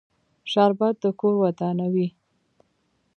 شربت د کور ودانوي